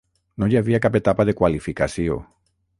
No hi havia cap etapa de qualificació.